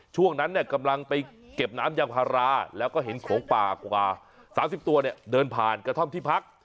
ช่วงนั้นเนี่ยกำลังไปเก็บน้ำยางพาราแล้วก็เห็นโขงป่ากว่า๓๐ตัวเนี่ยเดินผ่านกระท่อมที่พัก